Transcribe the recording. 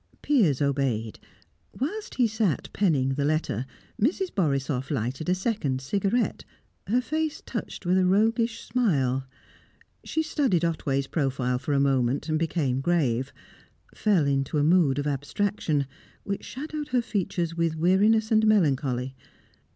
Piers obeyed. Whilst he sat penning the letter, Mrs. Borisoff lighted a second cigarette, her face touched with a roguish smile. She studied Otway's profile for a moment; became grave; fell into a mood of abstraction, which shadowed her features with weariness and melancholy.